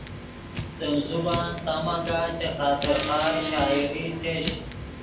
دیم زبان تا مگاہ چے خاطر خواہ شاعری چش